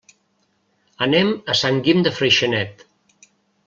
Anem a Sant Guim de Freixenet.